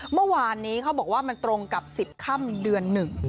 เมื่อวานนี้เขาบอกว่ามันตรงกับ๑๐ค่ำเดือนหนึ่ง